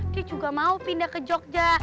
dia juga mau pindah ke jogja